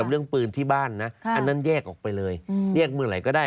เรื่องปืนที่บ้านนะอันนั้นแยกออกไปเลยเรียกเมื่อไหร่ก็ได้